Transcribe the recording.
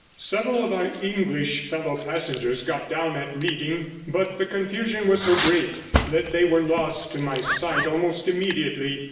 Several of our English fellow passengers got down at Reading, but the confusion was so great that they were lost to my sight almost immediately.